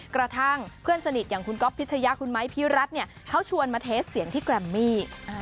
กระทั่งเพื่อนสนิทอย่างคุณก๊อฟพิชยะคุณไม้พี่รัฐเนี่ยเขาชวนมาเทสเสียงที่แกรมมี่